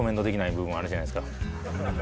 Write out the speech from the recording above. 部分あるじゃないですか